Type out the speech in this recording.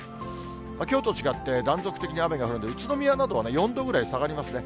きょうと違って、断続的に雨が降るので、宇都宮などでは４度ぐらい下がりますね。